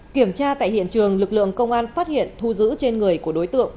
kiểm tra tại hiện trường lực lượng công an phát hiện thu giữ trên người của đối tượng